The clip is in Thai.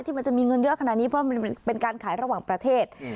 มันจะมีเงินเยอะขนาดนี้เพราะมันเป็นการขายระหว่างประเทศ